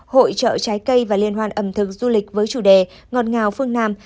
hội trợ trái cây và liên hoan ẩm thực du lịch với chủ đề ngọt ngào phương nam